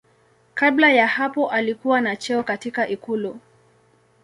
Kabla ya hapo alikuwa na cheo katika ikulu.